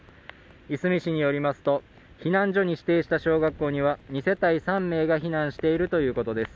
いすみ市によりますと、避難所に指定した小学校には２世帯３名が避難しているということです。